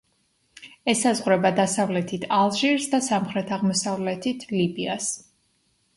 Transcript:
ესაზღვრება დასავლეთით ალჟირს და სამხრეთ-აღმოსავლეთით ლიბიას.